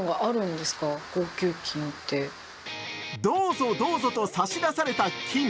どうぞどうぞと差し出された金。